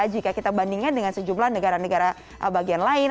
jika kita bandingkan dengan sejumlah negara negara bagian lain